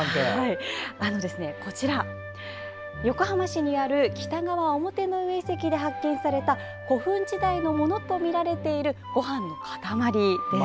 こちら、横浜市にある北川表の上遺跡で発見された古墳時代のものとみられているごはんの塊です。